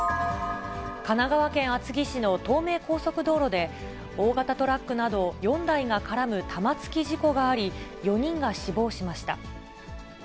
神奈川県厚木市の東名高速道路で、大型トラックなど４台が絡む玉突き事故があり、４人が死亡しました。